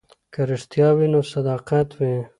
که رښتیا وي نو صداقت وي.